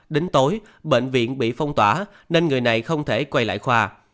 đến tối bệnh viện bị phong tỏa nên người này không thể quay lại khoa